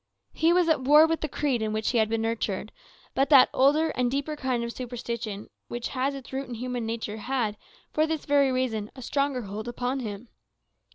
He was at war with the creed in which he had been nurtured; but that older and deeper kind of superstition which has its root in human nature had, for this very reason, a stronger hold upon him.